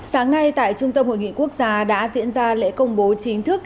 sáng nay tại trung tâm hội nghị quốc gia đã diễn ra lễ công bố chính thức